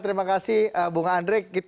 terima kasih bung andrik